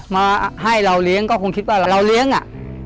มาให้เราเลี้ยงก็คงคิดว่าเราเลี้ยงอ่ะ